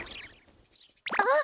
あっ！